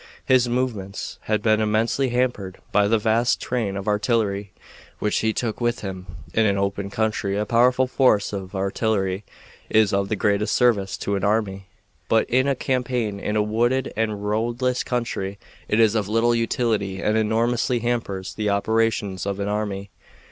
His movements had been immensely hampered by the vast train of artillery which he took with him. In an open country a powerful force of artillery is of the greatest service to an army, but in a campaign in a wooded and roadless country it is of little utility and enormously hampers the operations of an army.